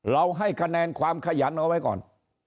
ให้คะแนนความขยันเอาไว้ก่อน